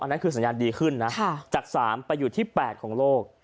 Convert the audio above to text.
นั่นคือสัญญาณดีขึ้นนะจาก๓ไปอยู่ที่๘ของโลก